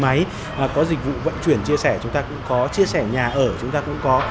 chúng ta có xe máy có dịch vụ vận chuyển chia sẻ chúng ta cũng có chia sẻ nhà ở chúng ta cũng có